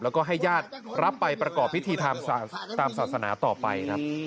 แล้วก็ให้ญาติรับไปประกอบพิธีทางศาสนาต่อไปครับ